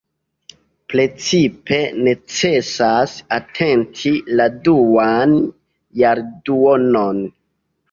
Precipe necesas atenti la duan jarduonon.